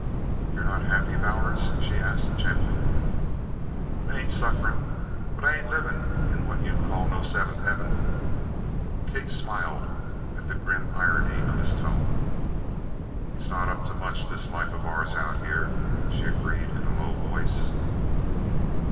"You're not happy, Bowers?" she asked gently. "I ain't sufferin', but I ain't livin' in what you'd call no seventh heaven." Kate smiled at the grim irony of his tone. "It's not up to much, this life of ours out here," she agreed in a low voice.